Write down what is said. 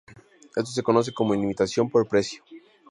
Esto se conoce como "limitación por precio".